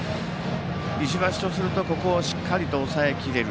石橋とするとここをしっかりと抑えきる。